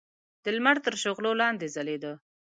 د لمر تر شغلو لاندې ځلېده.